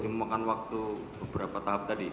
jadi memakan waktu beberapa tahap tadi